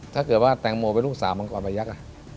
ถ้าเกิดว่าแตงโมเป็นลูกสาวมังกรประยักษ์